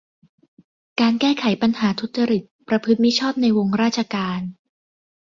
การแก้ไขปัญหาทุจริต ประพฤติมิชอบในวงราชการ